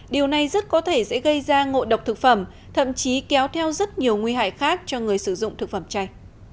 điều này rất có thể sẽ gây ra ngộ độc thực phẩm thậm chí kéo theo rất nhiều nguy hại khác cho người sử dụng thực phẩm chay